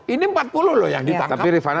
ini empat puluh loh yang ditangkap tapi rifana